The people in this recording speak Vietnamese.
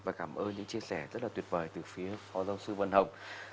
và cảm ơn những chia sẻ rất là tuyệt vời từ phía phó giáo sư văn hồng